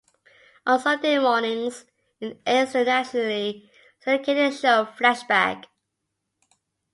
On Sunday mornings it airs the nationally syndicated show Flashback.